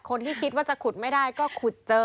คิดว่าจะขุดไม่ได้ก็ขุดเจอ